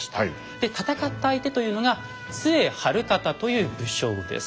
で戦った相手というのが陶晴賢という武将です。